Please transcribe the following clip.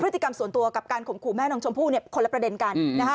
กิจกรรมส่วนตัวกับการข่มขู่แม่น้องชมพู่คนละประเด็นกันนะฮะ